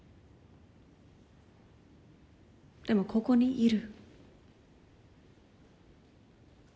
でもここにいる。